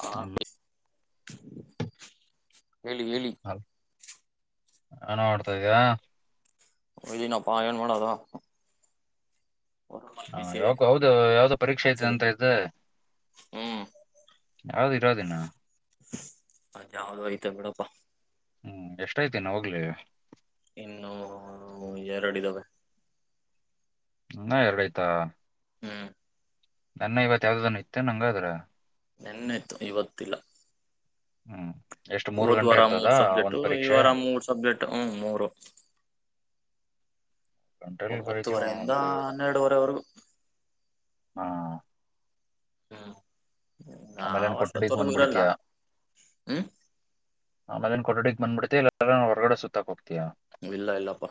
ಹಾ ಹೇಳಿ ಹೇಳಿ ಹಣ ನೋಡ್ತಾ ಇದೀಯಾ ಒಯ್ದನಪ್ಪಾ ಏನು ಮಾಡದು ಹಾ ಯಾವ್ದೋ ಹೌದು ಯಾವ್ದೋ ಪರೀಕ್ಷೆ ಆಚೆ ಇದೆ ಬಂದು ಅಂತ ಇದ್ದೆ ಹ್ಮ್ ಯಾವ್ದ ಇರೋದಿನ ಅದು ಯಾವ್ದೋ ಐತಿ ಅಂದ್ರಪ್ಪ ಹೂ ಎಸ್ಟುಐತಿ ಹೋಗ್ಲಿ ಇನ್ನು ಎರಡಿದ್ದಾವೆ ಇನ್ನ ಎರಡೈತಾ ಹೂ ನನ್ನ ಇವತ್ ಯಾವ್ದದನ್ ಇತ್ತು ಹಂಗಾದ್ರ ನೆನೆ ಇತ್ತು ಇವತ್ತಿಲ್ಲ ಹೂ ಹೋದ್ವಾರ ಮೂರ್ ಸಬ್ಜೆಕ್ಟ್ ಈ ವಾರ ಮೂರ್ ಸಬ್ಜೆಕ್ಟ್ ಹೂ ಮೂರು ಇಂಟರ್ವ್ಯೂ ಬರೀತೀನಿ ಒಂಬತ್ತುವರೆಯಿಂದ ಹನ್ನೆರಡುವರೆವರೆಗೂ ಹಾ ಹೂ ಆಮೇಲೆ ನಾವು ಏನ್ ಅಷ್ಟೊತ್ತು ಕೊಠಡಿಗ್ ವರ್ಗು ಇರಲ್ಲ ಬಂದ್ಬಿಡ್ತೀಯ ಹೂ ಆ ಮೇಲೆ ಕೊಠಡಿಗೆ ಬಂದ್ಬಿಡ್ತಿ ಇಲ್ಲ ಹೊರಗಡೆ ಸುತ್ತಾಕತ ಇಲ್ಲ ಇಲ್ಲಪ್ಪ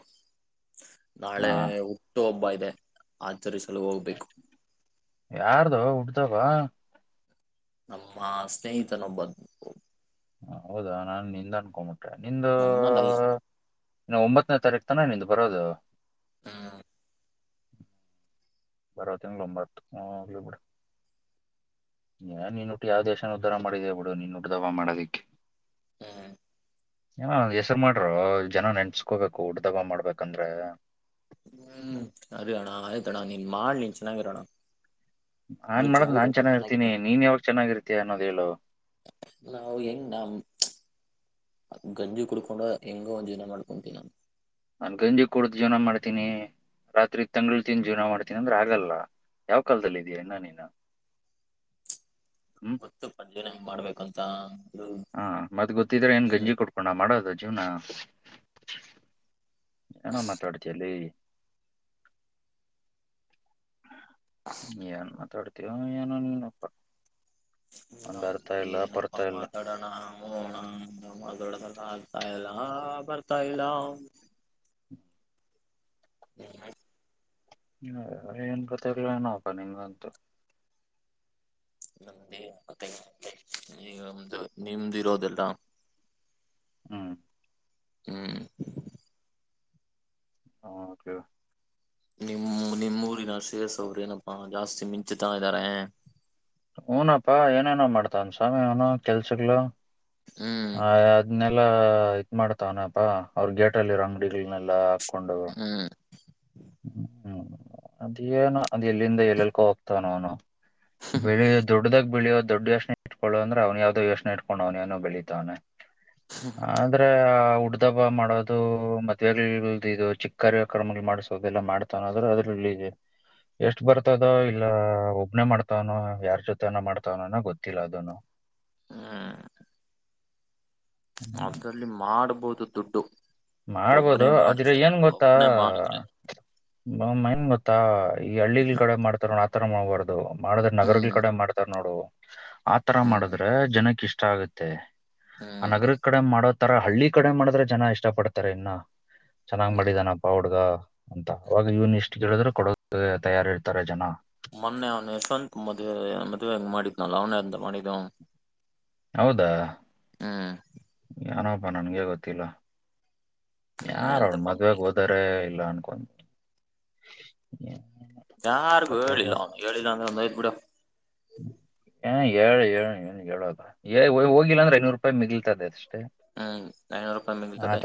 ನಾಳೆ ಹಾ ಹುಟ್ಟು ಹಬ್ಬ ಇದೆ ಉತ್ತರಿಸಲು ಹೋಗ್ಬೇಕು ಟೆಬಾ ನಮ್ಮ ಸ್ನೇಹಿತನ ಬಂಧು ಹ ಹೌದಾ ನಾನು ನಿಂದ ಅನ್ಕೊಂಬಿಟೆ ನಿಂದು ನನ್ನದಲ್ಲ ನಾಳೆ ಒಂಬತ್ತನೇ ತಾರೀಕು ತಾನೆ ನಿಂದು ಬರೋದು ಹೂ ಬರ ತಿಂಗಳು ಒಂಬತ್ತು ಹೋಗ್ಲಿ ಬಿಡು ನೀನ್ುಟ್ಟು ಯಾವ ದೇಶನ ಉದ್ಧಾರ ಮಾಡಿದೇ ಬಿಡು ನೀನ್ ಹುಟ್ಟು ದಬ್ಬ ಮಾಡೋದಿಕ್ಕೆ ಹೂ ಹ ಹೆಸರು ಮಾಡ್ರೋ ಜನ ನೆನ್ಸ್ಕೋಬೇಕು ಹುಟ್ಟಿದಬ್ಬ ಮಾಡ್ಬೇಕಂದ್ರೆ ಹೂ ಅದೇ ಅಣ್ಣ ಆಯ್ತಾ ಅಣ್ಣ ನೀನ್ ಮಾಡಿ ನೀನ್ ಚೆನ್ನಾಗಾಗಿರಣ್ಣ ನಾನ್ ಮಾಡೋದು ನಾನ್ ಚೆನ್ನಾಗಿರ್ತೀನಿ ನೀನ್ ಯಾವಾಗ ಚೆನ್ನಾಗಿರ್ತೀಯ ಅನ್ನೋದ ಹೇಳು ನಾವು ಹೆಂಗ ನಾಮ್. [inaudible] ಗಂಜಿ ಕುಡ್ಕೊಂಡ ಹೆಂಗ ಒಂದು ಜೀವನ ಮಾಡ್ಕೊಂತೀನಿ ನಾನು. ನನ್ ಗಂಜಿ ಕುೂಡ್ದ ಜೀವನ ಮಾಡ್ತೀನಿ. ರಾತ್ರಿ ತಂಗಿಳ್ತೀನಿ ಜೀವನ ಮಾಡ್ತೀನಿ ಅಂದ್ರೆ ಆಗಲ್ಲ ಯಾವ್ ಕಾಲದಲ್ಲಿ ಇದೀ ನ ನೀನು. [inaudible] ಹ್ಮ್ ಗೊತ್ತು ಗಂಜಿನ ಹೆಂಗ್ ಮಾಡ್ಬೇಕಂತ. ಹ್ಮ್ ಹಾ ಮತ್ತ್ ಗೊತ್ತಿದ್ರೆ ಏನ್ ಗಂಜಿ ಕೊಟ್ಕೊಂಡ ಮಾಡೋದು ಜೀವನ. ಏನೋ ಮಾತಾಡ್ತಿಯಲೆ [inaudible] ಏನ್ ಮಾತಾಡ್ತೀಯಾ ಏನೋ ಏನಪ್ಪ. ನ ಏನಪ್ಪಾ ಇಲ್ಲ ಮಾತಾಡೋಣ [unintelligible] ಇಲ್ಲ ಬರ್ತಾಯಲ್ಲಾ ಬರ್ತಾ ಇಲ್ಲ. ಹ್ಮ. ಹ್ಮ ಏನ್ ಗೊತ್ತ ಏನಪ್ಪ ನಿಮಗಂತೂ. ಮತ್ತಮ್ದ ನಿಮ್ದ ಇರೋದೆಲ್ಲ. ಹ್ಮ್ ಹ್ಮ್ ಹಾ ಓಕೆ. ನಿಮ್ಮ ನಿಮ್ಮೂಊರಿನ ಶೇಸ್ ಅವ್ರ ಏನಪ್ಪಾ ಜಾಸ್ತಿ ಮಿಂಚತಾ ಇದ್ದಾರೆ. ಹೂನಪ್ಪಾ ಏನೇನ ಮಾಡ್ತನ್ ಸ್ವಾಮಿ ಅವನು ಕೆಲ್ಸಗ್ಗಳು. ಹ್ಮ್ ಆ ಅದ್ನ್ನೆಲ್ಲ. ಇದತ್ ಮಾಡ್ತಾವಾನಪಾ ಅವ್ರ ಗೇಟ ಅಲ್ಲಿ ರಂಗಡಿಗಳನೆಲ್ಲಾ ಹಾಕೊಂಡು ಹ್ಮ್ ಹ್ಮ್ ಅದೇನ ಅದ್ ಎಲ್ಲಿಂದ ಎಲ್ಲೆಲ್ಕೋ ಹೋಗ್ತಾನನು. ಬೆಳೆಯೋ ದೊಡ್ಡದಾಗ ಬೆಳೆಯೋದು. ದೊಡ್ಡ ಯೋನೆನ ಇಟ್ಕಳ ಅವ್ನ ಯಾವ್ದೋ ಯೋಚನ ಇಟ್ಕೊಂಡ ಅವನೇನ ಬೆಳಿತವನ. ಅಂದ್ರೆ ಹುಟ್ಟದಬ್ಬ ಮಾಡೋದು ಮದ್ವೆ ಇದು ಚಿಕ್ಕ ಕಾರ್ಯ ಕ್ರಮಗಳು ಮಾಡಸದು ದೆಲ್ಲ ಮಾಡ್ತಾನ ಆದ್ರೆ ಅದ್ರಲ್ಲಿ ಎಷ್ಟ್ ಬರ್ತದೋ ಇಲ್ಲ ಒಬ್ನೇ ಮಾಡ್ತಾವ್ನೋ ಯಾರ್ ಜೊತನ ಮಾಡ್ತವನನೋ ಗೊತ್ತಿಲ್ಲ ಅದನು. ಹ್ಮ. ಅದ್ರಲ್ಲಿ ಮಾಡ್ಬಹುದು ದುಡ್ಡು. ಒಬ್ಬನೇ ಮಾಡ್ಬೋದು ಅದ್ರೆ ಮಾಡಿದ್ರೆ ಏನ್ ಗೊತ್ತಾ ಒಬ್ಬನೇ ಮಾಡಿದ್ರೆ ಮಮ್ಮ ನ್ ಗೊತ್ತಾ ಈ ಹಳ್ಳಿಗಳ ಕಡೆ ಮಾಡ್ತಾರ ನೋಡ್ ಆತರ ಮಾಡ್ಬಾರ್ದು ಮಾಡಿದ್ರ ನಗರಗಳ ಹ್ಮ್ ಕಡೆ ಮಾಡ್ತಾರ ನೋಡು ಆತರ ಹ್ಮ್ ಮಾಡಿದ್ರೆ ಜನಕ್ಕೆ ಇಷ್ಟ ಆಗತ್ತೆ ಆ ಹ್ಮ್ ನಗರ ಕಡೆ ಮಾಡೋ ತರ ಹಳ್ಳಿ ಕಡೆ ಮಾಡಿದ್ರೆ ಜನ ಇಷ್ಟ ಪಡ್ತಾರೆ ಇನ್ನ ಚೆನ್ನಾಗ್ ಮಾಡಿದಾನಪ್ಪ ಹುಡ್ಗ. ಅಂತ ಅವಾಗ ಇವ್ನ್ ಇಷ್ಟು ಕೇಳಿದ್ರರು ಕೊಡೋದ ತಯಾರಿ ಇರ್ತಾರೆ ಜನ. ಮೊನ್ನೆ ಅವ್ನಂತ ಮದ್ ಮದ್ವೆ ಹೆಂಗ್ ಮಾಡಿದ್ನಲ್ಲ ಅವನ ಎಂತ ಮಾಡಿದ. ಹೌದಾ. ಹ್ಮ. ಏನಪ್ಪಾ ನನ್ಗೆ ಗೊತ್ತಿಲ್ಲ ಯಾರ ಅವ್ರ ಎಂತಪ್ಪ ಮದ್ವೆಗ ಮಾಡಿದ ಹೋದಾರ ಇಲ್ಲ ಅನ್. [unintelligible] ಯಾರಿಗು ಹೇಳಿಲ್ಲ ಅವನು ಹೇಳಿಲ್ಲ ಅಂದ್ರೆ ಒಂದ ಐತ್ ಬಿಡು. ಹಏ ಏಳು ಏಳು ಏನು ಹೇಳದು ಹೋಗಿಲ್ಲ ಅಂದ್ರೆ ಐನೂರು ರೂಪಾಯಿ ಮಗಲ್ತದೆ ಅಷ್ಟು. ಹ್ಮ್ ಐನೂರು ರೂಪಾಯಿಮ್ಮ ನಿಲ್ತಾದೆ.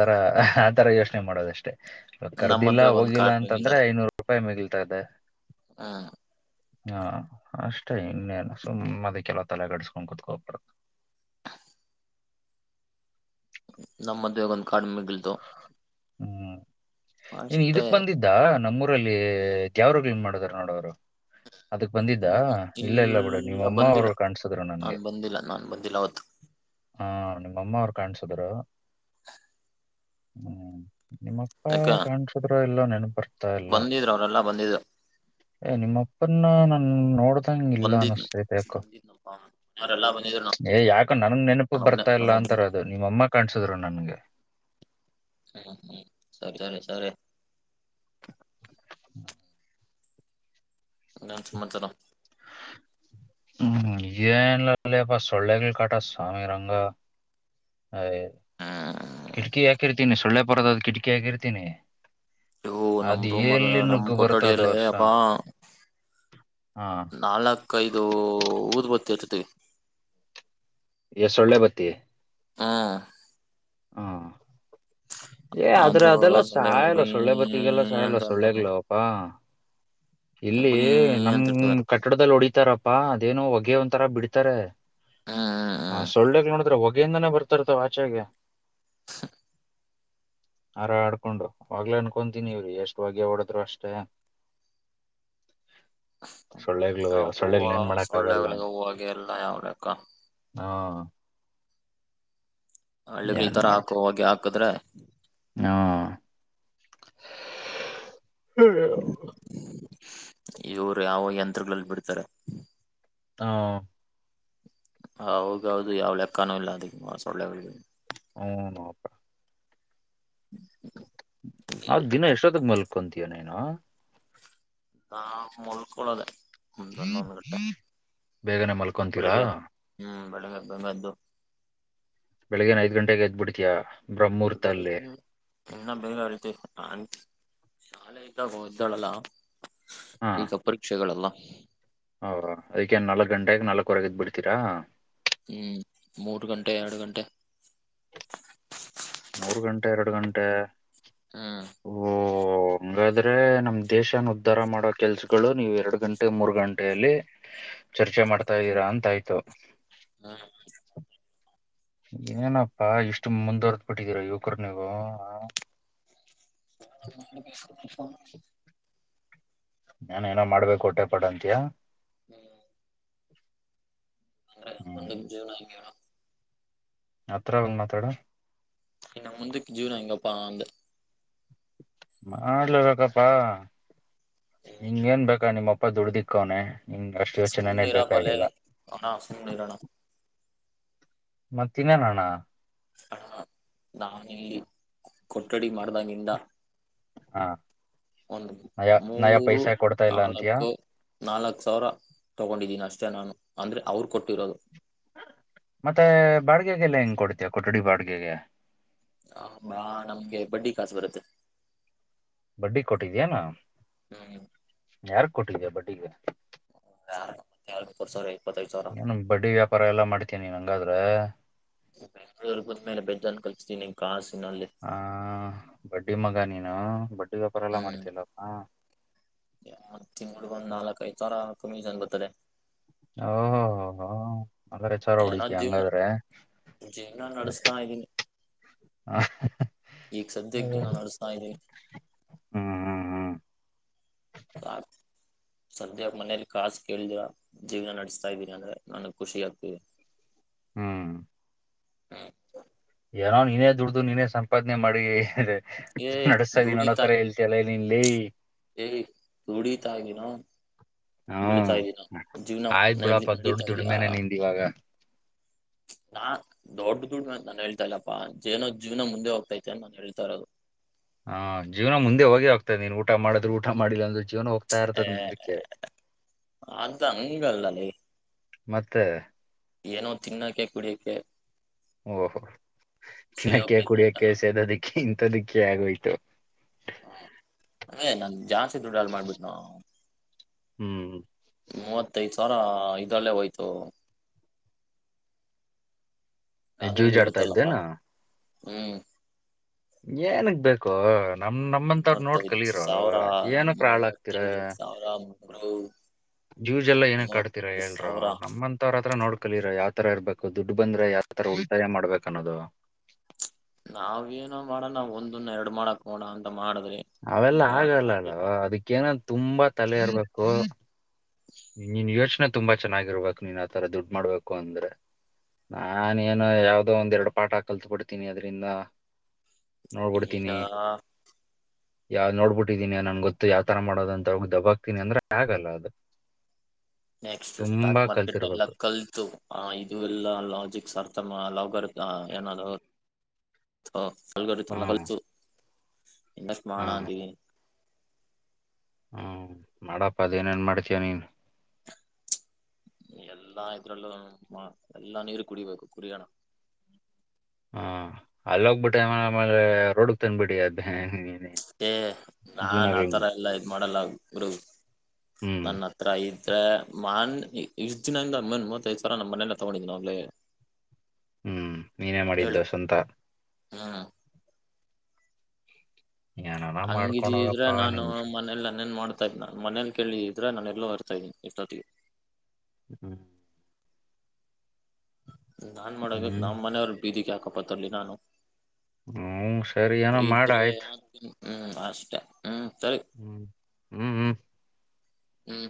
ತರ ಯೋಚನೆ ಮಾಡೋದಷ್ಟೇ. ಕರ್ದಿಲ್ಲ ಮದ್ವೆಗ್ ಒಂದ್ ಹೋಗಿಲ್ಲ ಕಾರ್ಡ್ ಅಂತಂದ್ರೆ ಮಿಗಿಲ್ತದೆ ಐನೂರು ರೂಪಾಯಿ ಮಿಗಲ್ತದೆ. ಹ್ಮ್ ಹಾ ಅಷ್ಟೇ ಇನ್ನೇ ಸುಮ್ ಅದಕೆಲ್ಲ ತಲೆ ಕೆಡ್ಸ್ಕೊಂದ್ ಕುೂತ್ಕೋಬಾರದು. ನಮ್ಮ ಮದೆಗಂ ಹ್ಮ್ ನೀನ್ ಅಷ್ಟೇ ಇದಕ್ ಬಂದಿದ್ದ ನಮ್ಮೂರು ಲ್ಲಿ ಯಾವ್ರಗ್ಂಗ್ ಮಾಡಿದಾರ ನೋಡವರು ಅದಕ್ ಬಂದಿದ್ದ ಹ್ಮ್ ಹ್ಮ್ ಇಲ್ಲ ಇಲ್ಲ ಬಿಡ ನಿಮ್ಮ ಅಮ್ಮ ಬಂದಿಲ್ಲ ಅವರು ಕಾಣಸಿದ್ರು ನಾನ್ ನನ್ಗೆ. ಬಂದಿಲ್ಲ ನಾನ್ ಬಂದಿಲ್ಲ ಅವತ್ತು ಹಾ ನಿಮ್ಮಮ್ಮ ಅವ್ರು ಕಾಣಸುದ್ರು ಹ್ಮ್ ನಿಮ್ಮಪ್ಪಾ ಯಾಕ ಕಾಣ್ಸುದ್ರ ಎಲ್ಲೋ ನೆನಪರ್ ಬಂದಿದ್ರು ಅವರೆಲ್ಲಾ ಬಂದಿದ್ರು ಎ ನಿಮ್ಮಪ್ಪನ್ನ ನಾ ನೋಡುದ್ [unintelligible] ಇಲ್ಲ ಬಂದಿದ್ನು ಅನ್ನಿಸ್ತೈತೆ ಯಾಕೋ ಬಂದಿದ್ನಪ್ಪ ಅವರೆಲ್ಲಾ ಬಂದಿದ್ರು ಏ ಯಾಕ ನನ್ ನೆನಪು ನಾನು ಒಬ್ನೇ ಬರ್ತಾ ಇಲ್ಲ ನಾನು ಅಂತ್ ಒಬ್ಬನೇ ಒಂತರ ಅದು ನಿಮ್ ಅಮ್ಮ ಕಾಣ್ಸಿದ್ರು ನನ್ಗೆ ಹ್ಮ ಹ್ಮ ಸರಿ ಸರಿ ಇನ್ನೇನ್ ಸಮಾಚಾರ ಹ್ಮ್ ಏನ್ಲ್ಲ ಇಲ್ಲಪ್ಪ ಸೊಳ್ಳೆಗಳ್ ಕಾಟಾ ಸ್ವಾಮಿ ನಂದು ಹಯ್ ಹ್ಮ್ ಕಿಟ್ಕಿ ಹಾಕಿರ್ತೀನಿ ಸೊಳ್ಳೆ ಪರದ ಕಿಟ್ಕಿ ಹಾಕಿರ್ತೀನಿ ವು ನಮ್ ಅದ್ ರೂಮ್ ಎಲ್ಲಿ ನಮ್ ನುಗ್ಗು ಬರ್ತದೋ ಕೊಠಡಿಯಲ್ಲೇ ಸ ಅಬ ಹಾ ನಾಲ್ಕೈದು ಊದ್ಬತ್ತಿ ಹಚ್ಚುತ್ತೀವಿ ಎ ಸಳ್ಳೊ ಬತ್ತಿ ಹಾ ಹಾ ಏ ಆದ್ರ ಆದ್ರೂ ಅದೆಲ್ಲ ಸೊಳ್ಳೆ ಸಾಯಲ್ಲ ಗುಯ್ ಸೊಳ್ಳೆ ಬತ್ತಿಗೆಲ್ಲ ಸಾಯಲ್ಲ ಅಂತ ಅಂತ ಸೊಳ್ಳೆಗಳು ಪಾ ಇಲ್ಲಿ ಗುಯ್ ನಮ್ ಅಂತ ಇರ್ತದೆ ಕಟ್ಟಡದಲ್ಲಿ ಹೊಡಿತಾರಪ್ಪಾ ಅದೇನು ಹೊಗೆ ಒಂತರ ಬಿಡ್ತಾರೆ ಹ್ಮ್ ಹ ಹ್ಮ್ ಸೊಳ್ಳೆಗಳ್ ನೋಡಿದ್ರ ಹೊಗೆಯಿಂದಾನೇ ಬರ್ತಿರ್ತವಾ ಆಚೆಗೆ ಆರ ಆಡ್ಕೊಂಡು ಆಗ್ಲೇ ಅನ್ಕೊತೀನಿ ಇವ್ರೀ ಎಷ್ಟು ಹೋಗೆ ಓಡದ್ರು ಅಷ್ಟೆ [inaudible] ಸೊಳ್ಳೆಗ್ಲು ಹ್ಮ್ ಹೂವ ಸೊಳ್ಳೆಗ್ ಏನ್ ಮಾಡಕ್ ಆಗಲ್ಲ ಸೊಳ್ಳೆಗಳಿಗೆ ಹೂವಾಗೆ ಎಲ್ಲ ಯಾವ ಲೆಕ್ಕ ಹಾ ಹಳ್ಳಿಗಳ್ ಏನ್ ತರ ಮಾಡ ಹಾಕೋ ಹೋಗಿ ಹಾಕದ್ರೆ ಹಾ ಇವರು ಯಾವ ಯಂತ್ರಗಳಲ್ಲಿ ಬಿಡ್ತಾರೆ ಹಾ ಹ ಹೌದೌದು ಯಾವ್ ಲೆಕ್ಕನೂ ಇಲ್ಲ ಅದ್ ಸೊಳ್ಳೆಗಳ್ಗೆ ಹು ಅಪ ಕತ್ಕೊಂತೀಯೋ ನೇನು [unintelligible] [unintelligible] ಾ ಮುೊಳ್ಕೊೊಳ್ಳೋದೆೇ ಮುನ್ನೊಂದು ಗಟ್ಟೆ [unintelligible] ಬೇಗನೆ ಮಲ್ಕೊಂತೀರಾ ಬೆಳಗೆ [unintelligible] ಬೆಂಗ್ದು ಬೆಳಿಗನ್ ಐದ್ ಗಂಟೆಗೆ ಎದ್ಬಿಡ್ತಿಯಾ ಬೆಳಗ್ ಇನ್ನ ಬೇಗ ಎಲ್ತೀನಿ ಹ ಶಾಲೆ ಇದ್ದಾಗ ಇದ್ದಾಳಲ್ಲ ಈಗ ಪರೀಕ್ಷೆಗಳೆಲ್ಲ ಹೌ ಅದಕ್ಕೆೇನ್ ನಾಲ್ಕಕ್ ಗಂಟೆಗೆ ನಾಲ್ಕಕ್ವರೆಗ ಎದ್ ಬಿಡ್ತೀರಾ ಹ್ಮ್ ಮೂರ್ ಗಂಟೆ ಎರಡ್ ಗಂಟೆ ಮೂರ್ ಗಂಟೆ ಎರಡ್ ಗಂಟೆ ಹಾ ಹ [inaudible] ಹಂಗಾದ್ರೆ ನಮ್ ದೇಶನ ಉದ್ಧಾರ ಮಾಡೋ ಕೆಲ್ಸಗಳ್ ನೀವು ಎರಡ್ ಗಂಟೆ ಮೂರ್ ಗಂಟೆಯಲ್ಲಿ ಚರ್ಚೆ ಮಾಡ್ತಾ ಹ್ಮ್ ಇದ್ದೀರಾ ಅಂತ ಆಯ್ತು ಏನೇನಪ್ಪ ಇಷ್ಟು ಮುಂದುವರ್ದ್ ಬಿಟ್ಟಿದೀರ ಯುವಕರನಿಗೂ ಇ [inaudible] ನಾನ ಏನೋ ಮಾಡ್ಬೇಕು ಹೊಟ್ಟೆ ಪಾಡ್ ಅಂತಿಯ ಹ್ಮ್ [inaudible] ಅಂದ್ರೆ ಹ್ಮ್ ಒಂದ ಜೀವನ [unintelligible] ಹಗೆವನ ಹತ್ರ ಬಂದ್ ಮಾತಾಡು ಇನ್ನು ಮುಂದಕ್ಕೆ ಜೀವ್ನ ಹೆಂಗಪ್ಪ ಅಂದೆ ಮಾಡಲಬೇಕಪ್ಪಾ [unintelligible] ನಿಂಗ ಏನ್ ಬಾ ನಿಮ್ಮಪ್ಪ ಅಪ್ಪ ದುಡ್ದಿಕ್ಕೋನೆ ಹಿಂಗ್ ಅಷ್ಟು ಯೋಚನೆನೇ ಸುಮ್ನಿರಪ್ಪ ಲೇ ಬೇಕಾಗಿಲ್ಲ ಅಣ ಸುಮ್ನಿರೋಣ ಮತ್ತ ಇನ್ನನಣ್ಣ ಹಣ [unintelligible] ನಾವಿಲ್ಲಿ ಕೊಠಡಿ ಮಾಡ್ದಾಗಿಂದ ಹಾ ಒಂದು ನಯ ನಯ ಮೂರು ಪೈಸಾ ಕೊಡ್ತಾ ಇಲ್ಲ ಅಂತಯಾ ನಾಲ್ಕು ನಾಲ್ಕ್ ಸಾವಿರ ತಗೊಂಡಿದ್ದೀನಿ ಅಷ್ಟೇ ನಾನು ಅಂದ್ರೆ ಅವರು ಕೊಟ್ಟಿರೋದು ಮತ್ತೆ ಬಾಡ್ಗೆಗೆಲ್ಲ ಹೆಂಗ್ ಕೊಡ್ತವ ಕೊಠಡಿ ಬಾಡ್ಗೆಗೆ ಹಾ ನಮ್ಗೆ ಬಡ್ಡಿ ಕಾಸು ಬರುತ್ತೆ ಬಡ್ಡಿ ಕೊಟ್ಟಿದ್ಯಾನ ಹ್ಮ ಯಾರ್ ಕೊಟ್ಟಿದೆ ಬಡ್ಟ್ಟಿಗೆ ತ್ತ ಕೊರ್ಸೋಯ ಏನು ಬಡ್ಡಿ ವ್ಯಾಪಾರ ಎಲ್ಲಾ ಮಾಡ್ತೀಿನ್ ಹಂಗಾದ್ರ ಬೆಂಳೂರ್ ಬಂದ್ಮೇಲೆ ಬೆಜನ್ ಕಲ್ಿಸತೀನಿ ಕಾಸಿನಲ್ಲಿ ಆ ಬಡ್ಡಿ ಮಂಗಾ ನೀನು ವ್ಯಾಪರ ಎಲ್ಲ ಮಾಡತತಿಲ್ಲಪ್ಪ ತಿಡ್ ಒಂದ್ ಒ ನಾಲ್ಕ ಐದು ತರ ಕಮ್ಮಿ ಜನ್ ಬರ್ತದೆ ಓಹೋೋ ಹೋ ಅಲ್ಲ್ರ ಚಾರ ಏನೋ ಹೊಡತಿ ಜೀವನ ಹಂಗಾದ್ರೆ ಜೀವನ ನಡೆಸ್ತಾ ಇದ್ದೀನಿ ಈಗ ಸದ್ಯಕ್ಕೆ ಜೀನ ನಡ್ಸ್ತಾ ಇದೆ ಹಾ ಹಾ ಹಾ ಸ ಸದ್ಯ ಮನೇಲಿ ಕಾಸು ಕೇಳ್ದಿವ ಜೀವನ ನಡೆಸ್ತಾ ಇದ್ದೀನಿ ಅಂದ್ರೆ ನನ್ಗ್ ಖುಷಿ ಆಗ್ತೀವಿ ಹ್ಮ್ ಹ್ಮ್ ಏನೋ ನೀನೇ ದುಡ್ದು ನೀನೇ ಸಂಪಾದನೆ ಮಾಡಿ ಏ ನಡಸ್ತಾ ಇದ ನನ್ನೋ ತರ ಹೇತಿಲ್ಲ ಇಲ್ಲೇ ಏಯ್ ತುಡಿ ತ ಇ ದಿನೋ ಹ್ಮ್ ಬಿಡ್ತಾ ಇದೀನಾ ಜೀವನ ಆಯ್ತ್ ನಡ ಬಿಡಪ್ಪ ದೊಡ್ಡ ನಡೀತಾ ಇದೀಯಾ ದುಡಿಮೆನೆ ಆ ನಿಂದ ಇವಾಗ [unintelligible] ನಾ ದೊಡ್ಡ ದುಡ್ ಅಂತ ನಾನನ್ ಹೇಳ್ತಾ ಇಲ್ಲಪ್ಪಾ ಜಏನೋ ಜೀವನ ಮುಂದೆ ಹೋಗ್ತೈತೆ ಅಂತ ನಾನನ್ ಹೇಳ್ತಾ ಇರೋದು ಹ್ ಜೀವನ ಮುಂದೆ ಹೋಗಿ ಆಗ್ತದೆ ನೀನ್ ಊಟ ಮಾಡಿದ್ರರು ಊಟ ಮಾಡಿಲ್ಲ ಅಂದ್ರ ಜೀವನ ಹೋಗ್ ಹ ಅಂಗಗೆಲ್ಲಲ್ಲಿ ಮತ್ತೆ ಏನೋ ತಿನ್ನೋಕೆ ಕುಡಿಯಕೆ ಓಹೋ ತಿನ್ನಕ್ಕೆ ಹೋಗ್ತೈತೆ ಅಂತ ಕುಡಿಯಕ್ಕೆ ನಾನು ಸೇದೋದಿಕ್ಕೆ ಇಥ ದಿಕ್ಕೆ ಆಗೋಯ್ತು ಹ ಅದೇ ನ ಜಾಸ್ತಿ ದುಡ್ಡಲ್ ಮಾಡ್ಬಿಟ್ಟು ನಾ ಹ್ಮ್ ಮೂವತ್ತೈದ ಸಾವಿರ ಇದಲ್ಲೇ ಹೋಯ್ತು ಅದು ಇದು ಜೂಜಾಡ್ತಾ ಇರುತ್ತಲ್ಲಪ್ಪಾ ಇದ್ದೇನಾ ಹ್ಮ್ ಏನಗ್ ಬೇಕೋ ನಮ್ ನಮ್ಮಂತ ನೋಡ್ ಮೂವತ್ತೈದು ಕಲರೋ ಸಾವಿರ ಏನ ಹಳ ಹಾಕ್ತಿರ ಹೌ ಜ್ಯೂಸ್ ಎಲ್ಲ ಏನಕ್ ಕಡ್ತತಿರಾ ಹೇಳಲ್ರ ನಮ್ಮಂತವ ಹತ್ರ ನೋಡ್ಕಲೀರ ಯಾವತರ ಇರ್ಬೇಕು ದುಡ್ಡು ಬಂದ್ರೆ ಯಾವ ತರ ಉಳಿತಾಯ ಮಾಡ್ಬೇಕನ್ನೋದು ನಾವ್ ಏನ ಮಾಡೋಣಾವ ಒಂದನ್ನ ಎರಡು ಮಾಡಕ ನೋಡೋಣ ಅಂತ ಮಾಡಿದ್ರಿ ಅವೆಲ್ಲ ಆಗಲ್ಲ ಆಗಿಲ್ಲ ಅಲ್ವ ಅದಕ್ಕೇನ ತುಂಬಾ ತಲೆ ಇರ್ಬೇಕು ನಿನ್ ಯೋಚನೆ ತುಂಬಾ ಚೆನ್ನಾಗಿರ್ಬೇಕಕ್ ನೀನ್ ಆತರ ದುಡ್ ಮಾಡ್ಬೇಕು ಅಂದ್ರೆ ನಾನೇನು ಯಾವ್ದೋ ಒಂದ್ ಎರಡು ಪಾಠ ಕಲ್ತ್ ಬಿಿಡ್ತೀನಿ ಅದ್ರಿಂದ ಈಗ [unintelligible] ಯಾವ್ದ್ ನೋಡ್ಬಿಟ್ಟಿದೀನಿ ನನ್ ಗೊತ್ತು ಯಾವ್ತರ ಮಾಡೋದಂತ ಅವ್ರ್ಗ್ ದಬ್ಬಕ್ತನಿ ಅಂದ್ರೆ ಆಗಲ್ಲ ಅದು ನೆಕ್ಸ್ಟ್ ಸ್ಟಾಕ್ ತುಂಬಾ ಮಾರ್ಕೆಟ್ ಎಲ್ಲ ಕಲ್ತಿರ್ಬೇಕು ಕಲ್ತು ಆ ಇದು ಎಲ್ಲ ಲಾಜಿಕ್ ಸರ್ಥಮ ಲಾಗರ್ ಹ್ಮ್ [inaudible] ಇನ್ವೆಸ್ಟ್ ಮಾಡೋಣ ಅಂತಿದೀನಿ ಹ್ಮ ಮಾಡಪ್ಪ ಅದೇನೇನ್ ಮಾಡ್ತೀಯ ನೀನ್ ಎಲ್ಲಾ ಇದ್ರಲ್ಲೂ ಎಲ್ಲಾ ನೀರು ಕುಡಿಬೇಕು ಕುಡಿ ಯೋಣ ಹ ಅಲ್ಲಿ ಹೋಗ್ಬಿಟ್ಟ ಆಮ ಆಮೇಲೆ ರೋಡ್ಗ್ ತಂದಬಿಡಿ ಅದ ಏ ನಾ ಆತರ ಎಲ್ಲಾ ಇದ್ ಮಾಡಲ್ಲ ಗುರು ಹ್ಮ್ ನನ್ನ ಹತ್ರ ಇದ [inaudible] ಹ್ಮ್ ನೀನೇ ಮಾಡಿದ್ದು ಸ್ವಂತ ಹಾ ಏನಾನ ಮಾಡ್ಕೊಂಡ್ ಹಂಗಿದಿದ್ರೆ ಹೋಗಪ್ಪ ನಾನು ನಿನ್ ಮನಲಿನೇನ್ ಮಾಡ್ ಮನೇಲಿ ಕೇಳಿ ಇದ್ರೆ ನಾನ ಎಲ್ಲೋ ಇರ್ತಾ ಇದೀನಿ ಇಷ್ಟೊತ್ತಿಗೆ ಹ್ಮ್ ನಾನ್ ಮಾಡಬೇಕಕ್ ಹ್ಮ್ ನಮ್ಮ್ ಮನೆಯವ್ರು ಬೀದಿಕ್ ಯಾಕಪ್ಪತ್ತರ್ಲಿ ನಾನು ಹ್ಮ ಸರಿ ಏನೋ ಮಾಡ ಇದ್ರೆ ಆಯ್ತು ಹ್ಮ್ ಅಷ್ಟತೆ ಹ್ಮ್ ಹ್ಮ್ ಹ್ಮ್ ಹ್ಮ್